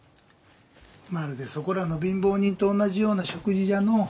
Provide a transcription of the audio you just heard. まるでそこらの貧乏人と同じような食事じゃのう。